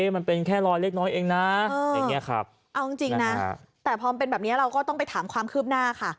มันเป็นแค่รอยเล็กน้อยเองนะอย่างนี้ครับเอาจริงนะแต่พอมันเป็นแบบนี้เราก็ต้องไปถามความคืบหน้าค่ะ